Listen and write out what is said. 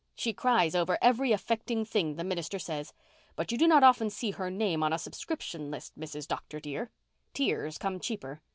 "She cries over every affecting thing the minister says. But you do not often see her name on a subscription list, Mrs. Dr. dear. Tears come cheaper.